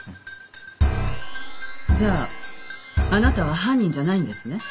じゃああなたは犯人じゃないんですね？